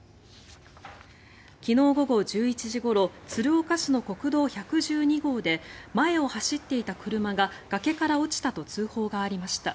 昨日午後１１時ごろ、鶴岡市の国道１１２号で前を走っていた車が崖から落ちたと通報がありました。